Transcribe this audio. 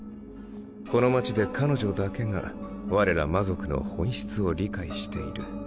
この街で彼女だけがわれら魔族の本質を理解している。